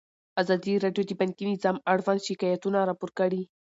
ازادي راډیو د بانکي نظام اړوند شکایتونه راپور کړي.